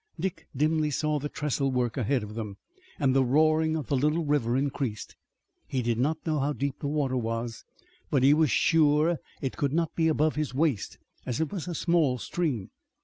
Dick dimly saw the trestle work ahead of them, and the roaring of the little river increased. He did not know how deep the water was, but he was sure that it could not be above his waist as it was a small stream.